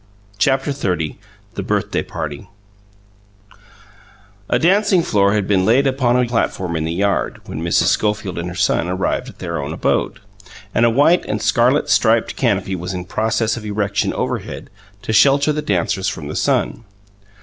CHAPTER XXX THE BIRTHDAY PARTY A dancing floor had been laid upon a platform in the yard, when Mrs. Schofield and her son arrived at their own abode; and a white and scarlet striped canopy was in process of erection overhead, to shelter the dancers from the sun.